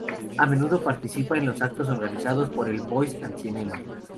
A menudo participa en los actos organizados por el Boys and Cinema.